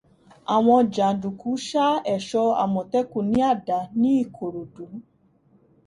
Àwọn jàndùkú ṣá ẹ̀ṣọ́ Àmọ̀tẹ́kùn ní àdá ní Ìkòròdú.